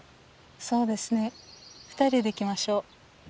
そうですね２人で来ましょう。